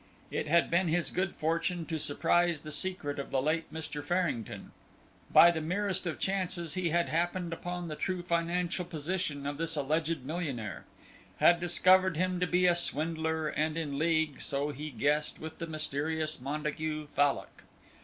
It had been his good fortune to surprise the secret of the late Mr. Farrington; by the merest of chances he had happened upon the true financial position of this alleged millionaire; had discovered him to be a swindler and in league, so he guessed, with the mysterious Montague Fallock.